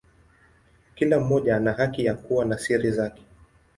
Kila mmoja ana haki ya kuwa na siri zake.